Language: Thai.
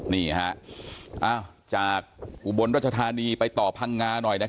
นี่ฮะอ้าวจากอุบลราชธานีไปต่อพังงาหน่อยนะครับ